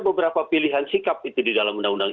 beberapa pilihan sikap itu di dalam undang undang